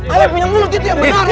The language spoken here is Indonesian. ayo pindah mulut itu ya benar ya